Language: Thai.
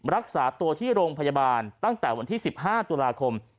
รักษาตัวที่โรงพยาบาลตั้งแต่วันที่๑๕ตุลาคม